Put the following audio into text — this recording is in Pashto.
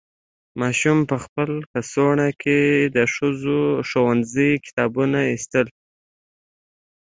ماشوم په خپل کڅوړه کې د ښوونځي کتابونه ایستل.